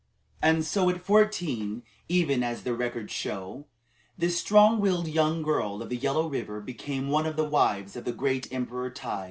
And so at fourteen, even as the records show, this strong willed young girl of the Yellow River became one of the wives of the great Emperor Tai.